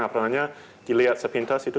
apalagi dilihat sepintas itu